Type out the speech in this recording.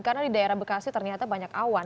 karena di daerah bekasi ternyata banyak awan